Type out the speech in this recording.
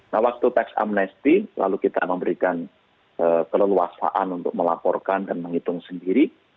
nah waktu teks amnesti lalu kita memberikan keleluasaan untuk melaporkan dan menghitung sendiri